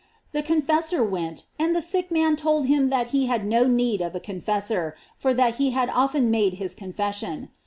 The confessor went, and the sick man told him that he had no need of a confessor, for that he had often made his confession.